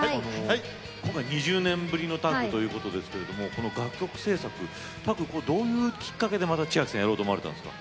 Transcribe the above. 今回、２０年ぶりのタッグということですけどもこの楽曲制作どういうきっかけで千秋さん、やろうと思われたんですか？